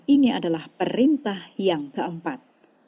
ini adalah perintah yang keempat